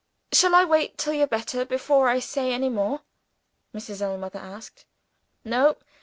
"Shall I wait till you're better before I say any more?" Mrs. Ellmother asked. "No?